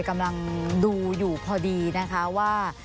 กำลังดูอยู่พอดีนะคะว่า